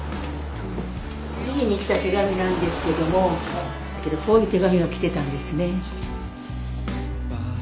来た手紙なんですけどもこういう手紙が来てたんですね。